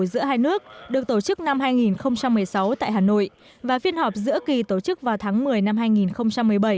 giữa hai nước được tổ chức năm hai nghìn một mươi sáu tại hà nội và phiên họp giữa kỳ tổ chức vào tháng một mươi năm hai nghìn một mươi bảy